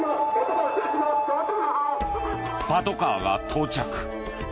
パトカーが到着。